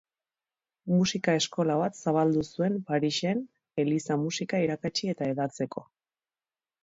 Musika eskola bat zabaldu zuen Parisen eliza-musika irakatsi eta hedatzeko.